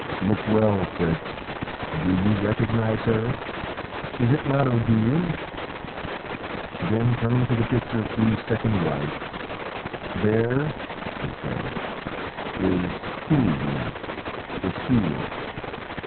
Look well, Fritz; do you recognise her? Is it not Odile?" Then turning to the picture of Hugh's second wife "There," he said, "is Huldine, the she wolf.